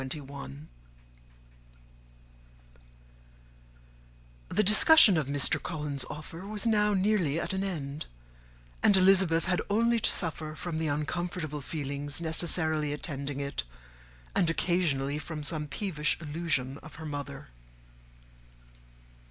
The discussion of Mr. Collins's offer was now nearly at an end, and Elizabeth had only to suffer from the uncomfortable feelings necessarily attending it, and occasionally from some peevish allusion of her mother.